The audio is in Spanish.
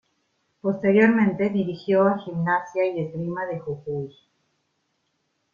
Posteriormente dirigió a Gimnasia y Esgrima de Jujuy.